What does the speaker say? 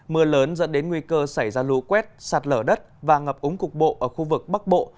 mưa lớn dẫn đến nguy cơ xảy ra lũ quét sạt lở đất và ngập úng cục bộ ở khu vực bắc bộ